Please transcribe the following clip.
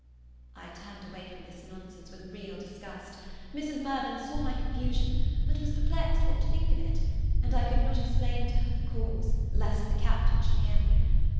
I turned away from this nonsense with real disgust, Mrs. Mirvan saw my confusion, but was perplexed what to think of it, and I could not explain to her the cause, lest the Captain should hear me.